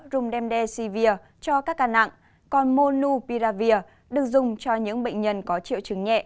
rung remdesivir cho các ca nặng còn monupiravir được dùng cho những bệnh nhân có triệu chứng nhẹ